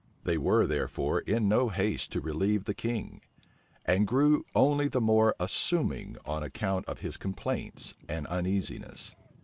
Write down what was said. They were therefore in no haste to relieve the king; and grew only the more assuming on account of his complaints and uneasiness.